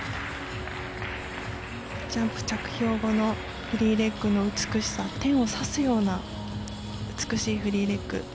ジャンプ着氷後のフリーレッグの美しさ点をさすような美しいフリーレッグ。